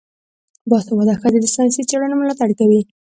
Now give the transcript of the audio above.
باسواده ښځې د ساینسي څیړنو ملاتړ کوي.